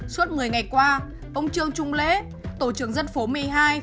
suốt một mươi ngày qua ông trương trung lễ tổ trưởng dân phố mạng